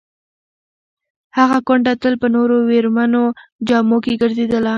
هغه کونډه تل په تورو ویرمنو جامو کې ګرځېدله.